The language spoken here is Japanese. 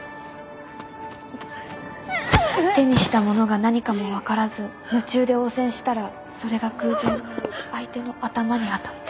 手にした物が何かも分からず夢中で応戦したらそれが偶然相手の頭に当たって。